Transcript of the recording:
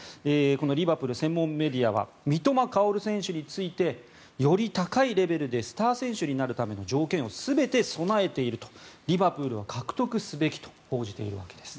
リバプール専門メディアは三笘薫選手についてより高いレベルでスター選手になるための条件を全てそろえているとリバプールは獲得すべきと報じているわけです。